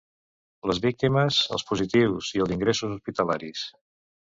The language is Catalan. Les víctimes, els positius i els ingressos hospitalaris.